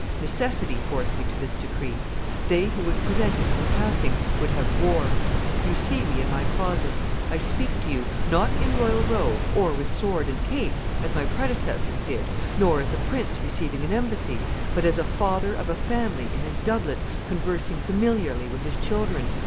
Necessity forced me to this decree. They who would prevent it from passing would have war. You see me in my closet. I speak to you, not in royal robe, or with sword and cape, as my predecessors did, nor as a prince receiving an embassy, but as a father of a family in his doublet conversing familiarly with his children.